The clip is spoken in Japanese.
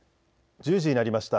１０時になりました。